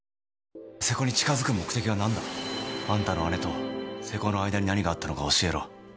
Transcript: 瀬古に近づく目的は何だ？あんたの姉と瀬古の間に何があったのか教えろ。